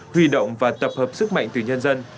huy động và tập hợp sức mạnh từ nhân dân